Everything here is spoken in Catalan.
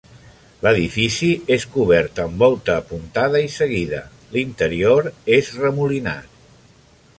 L'edifici és cobert amb volta apuntada i seguida, l'interior és remolinat.